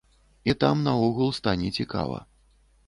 І там наогул стане цікава.